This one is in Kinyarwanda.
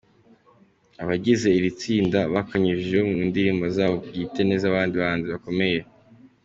Abagize iri tsinda bakanyujijeho mu ndirimbo zabo bwite n’iz’abandi bahanzi bakomeye.